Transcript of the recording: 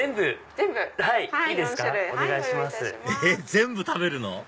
え⁉全部食べるの？